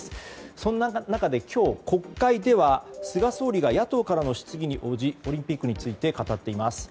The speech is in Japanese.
そんな中、今日国会では菅総理が野党からの質疑に応じオリンピックについて語っています。